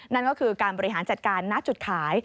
นั่นก็คือการบริหารจัดการณจุดขาย